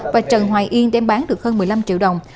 và trần hoài yên đem bán được hơn một mươi năm triệu đồng